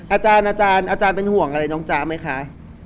อาจารย์อาจารย์เป็นห่วงอะไรน้องจ๊ะไหมคะ